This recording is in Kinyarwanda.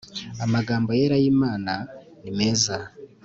amagambo yera y Imana nimeza